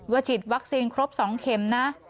ว่าจิตวัคซีนครบ๒เข็มนะ